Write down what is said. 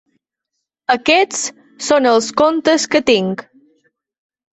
Aquests són els contes que tinc.